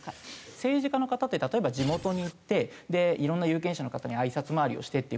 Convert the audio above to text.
政治家の方って例えば地元に行っていろんな有権者の方にあいさつ回りをしてっていう。